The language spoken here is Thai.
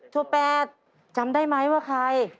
โชแปดจำได้ไหมว่าใคร